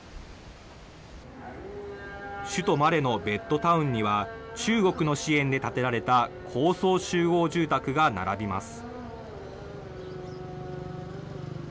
首都マレのベッドタウンには、中国の支援で建てられた高層集合住宅が並びます。